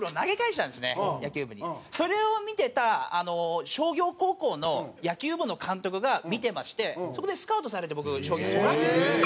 それを見てた商業高校の野球部の監督が見てましてそこでスカウトされて僕商業行ったんですよ。